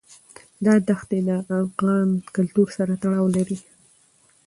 دا دښتې له افغان کلتور سره تړاو لري.